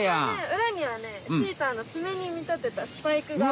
うらにはねチーターの爪にみたてたスパイクが。